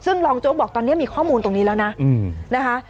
ซึ่งรองโจ๊กบอกตอนนี้มีข้อมูลตรงนี้แล้วนะนะคะ